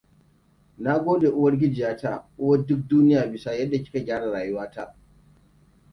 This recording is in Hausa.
Na gode uwargijiyata, uwar duk duniya, bisa yadda kika gyara rayuwata.